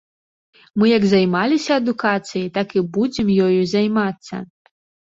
Мы як займаліся адукацыяй, так і будзем ёю займацца.